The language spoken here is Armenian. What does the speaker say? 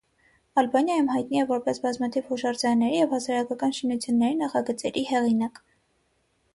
Ալբանիայում հայտնի է որպես բազմաթիվ հուշարձանների և հասարակական շինությունների նախագծերի հեղինակ։